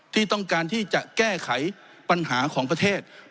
ที่ต้องการที่จะแก้ไขปัญหาของประเทศ